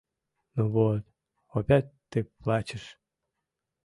— Ну вот, опять ты плачешь.